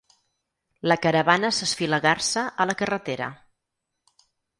La caravana s’esfilagarsa a la carretera.